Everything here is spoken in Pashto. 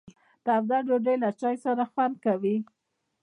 تاوده ډوډۍ له چای سره خوند کوي.